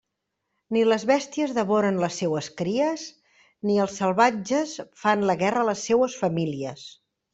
Ni les bèsties devoren les seues cries, ni els salvatges fan la guerra a les seues famílies.